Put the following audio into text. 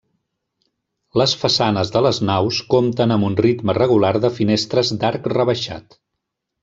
Les façanes de les naus compten amb un ritme regular de finestres d'arc rebaixat.